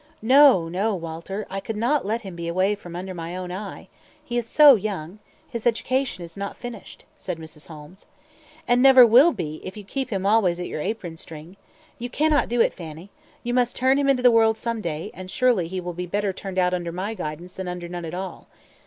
"No, no, Walter, I could not let him be away from under my own eye; he is so young his education is not finished," said Mrs. Holmes. "And never will be, if you keep him always at your apron string. You cannot do it, Fanny; you must turn him into the world some day, and surely he will be better turned out under my guidance than under none at all.